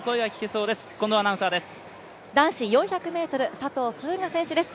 男子４００ｍ佐藤風雅選手です。